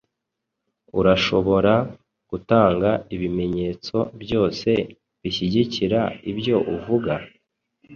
Urashobora gutanga ibimenyetso byose bishyigikira ibyo uvuga?